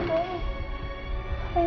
aku sudah bilang